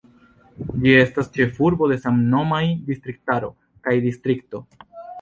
Ĝi estas ĉefurbo de samnomaj distriktaro kaj distrikto.